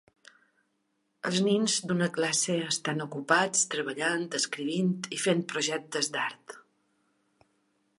Els nens d'una classe estan ocupats treballant, escrivint i fent projectes d'art.